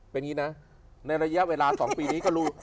เป็นอย่างนี้นะในระยะเวลา๒ปีนี้ก็รู้